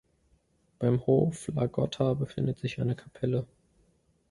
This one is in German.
Beim Hof La Gotta befindet sich eine Kapelle.